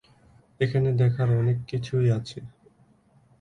এখানে দেখার অনেক কিছুই আছে।